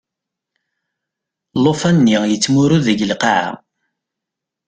Llufan-nni yettmurud deg lqaɛa.